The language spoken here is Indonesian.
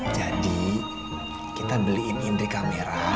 jadi kita beliin indri kamera